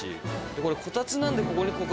これこたつなんでここにガ